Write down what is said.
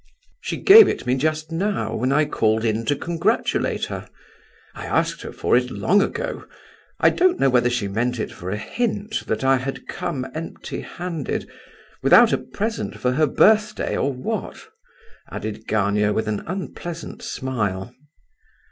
"She gave it me just now, when I called in to congratulate her. I asked her for it long ago. I don't know whether she meant it for a hint that I had come empty handed, without a present for her birthday, or what," added Gania, with an unpleasant smile.